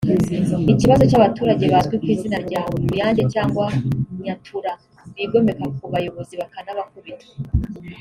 Ikibazo cy’abaturage bazwi ku izina rya “Uruyange” cyangwa “Nyatura” bigomeka ku bayobozi bakanabakubita